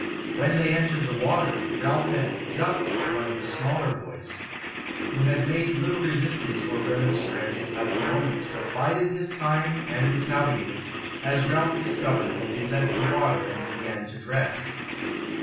When they entered the water, Ralph had "ducked" one of the smaller boys, who had made little resistance or remonstrance at the moment, but bided his time and retaliated, as Ralph discovered when he left the water and beofan to dress.